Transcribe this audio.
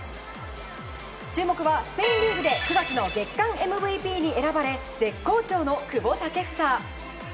注目はスペインリーグで９月の月間ＭＶＰに選ばれ絶好調の久保建英。